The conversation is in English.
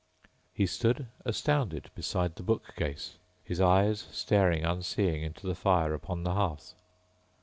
_He stood astounded beside the bookcase, his eyes staring unseeing into the fire upon the hearth.